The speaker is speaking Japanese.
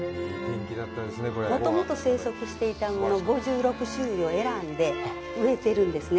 もともと生息していたもの５６種類を選んで植えてるんですね。